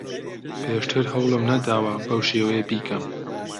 پێشتر هەوڵم نەداوە بەو شێوەیە بیکەم.